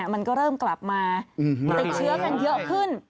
มันก็เริ่มกลับมาติดเชื้อกันเยอะขึ้น